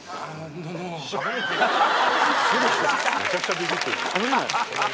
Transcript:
めちゃくちゃビビってる。